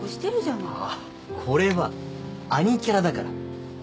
あぁこれはアニキャラだから。